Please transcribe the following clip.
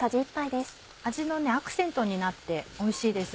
味のアクセントになっておいしいです。